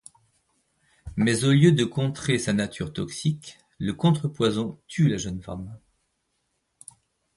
Mais au lieu de contrer sa nature toxique, le contrepoison tue la jeune femme.